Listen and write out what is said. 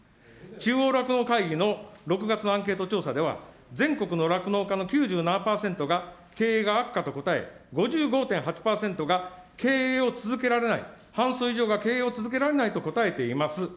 中央酪農会議の６月のアンケート調査では、全国の酪農家の９７％が、経営が悪化と答え、５５．８％が経営を続けられない、半数以上が経営を続けられないと答えています。